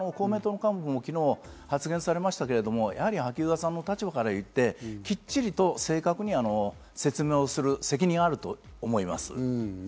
昨日、公明の幹部も発言されましたが、萩生田さんの立場から言って、きっちりと正確に説明をする責任があると思います。